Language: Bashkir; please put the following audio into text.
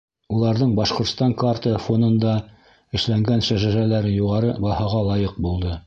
Уларҙың Башҡортостан картаһы фонында эшләнгән шәжәрәләре юғары баһаға лайыҡ булды.